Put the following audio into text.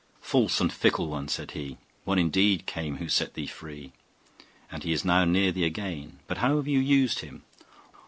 'False and fickle one!' said he. 'One indeed came who set thee free, and he is now near thee again; but how have you used him?